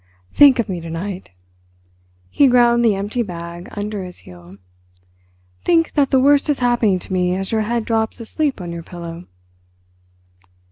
Think of me to night"—he ground the empty bag under his heel—"think that the worst is happening to me as your head drops asleep on your pillow."